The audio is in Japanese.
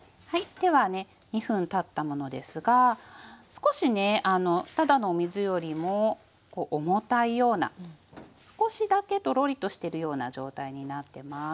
ではね２分たったものですが少しねただのお水よりも重たいような少しだけトロリとしてるような状態になってます。